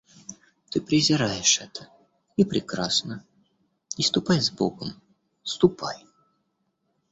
Ты презираешь это, и прекрасно, и ступай с Богом, ступай!